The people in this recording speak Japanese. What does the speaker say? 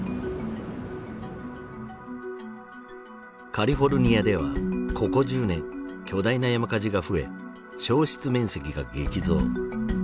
カリフォルニアではここ１０年巨大な山火事が増え焼失面積が激増。